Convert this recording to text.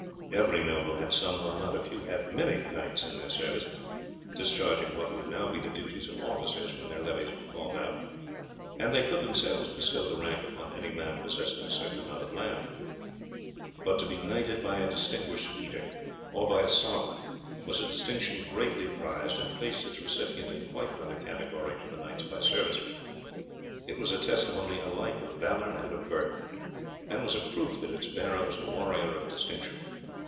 Every noble had some, while not a few had many knights in their service, discharging what would now be the duties of officers when their levies were called out, and they could themselves bestow the rank upon any man possessing a certain amount of land; but to be knighted by a distinguished leader, or by a sovereign, was a distinction greatly prized, and placed its recipient in quite another category to the knights by service. It was a testimony alike of valour and of birth, and was a proof that its bearer was a warrior of distinction.